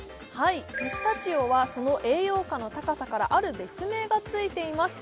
ピスタチオはその栄養価の高さからある別名がついています